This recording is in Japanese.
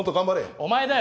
お前だよ。